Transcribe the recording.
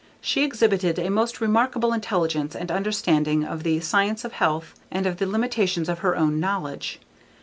She exhibited a most remarkable intelligence and understanding of the science of health and of the limitations of her own knowledge.